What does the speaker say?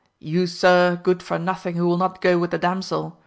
You Sir Good for nothing who will not go with the damsel